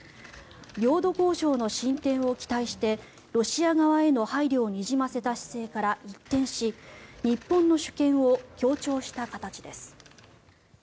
領土交渉の進展を期待してロシア側への配慮をにじませた姿勢から一転し日本の主権を強調した形です。